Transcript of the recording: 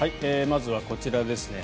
まずはこちらですね。